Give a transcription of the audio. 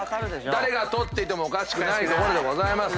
誰が取っていてもおかしくない。